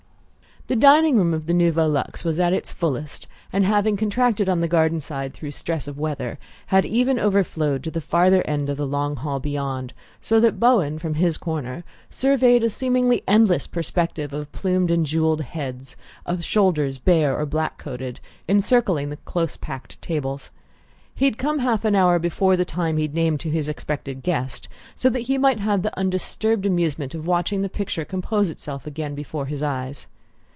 The dining room of the Nouveau Luxe was at its fullest, and, having contracted on the garden side through stress of weather, had even overflowed to the farther end of the long hall beyond; so that Bowen, from his corner, surveyed a seemingly endless perspective of plumed and jewelled heads, of shoulders bare or black coated, encircling the close packed tables. He had come half an hour before the time he had named to his expected guest, so that he might have the undisturbed amusement of watching the picture compose itself again before his eyes.